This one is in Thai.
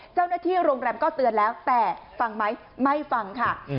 เจ้าหน้าที่โรงแรมก็เตือนแล้วแต่ฟังไหมไม่ฟังค่ะ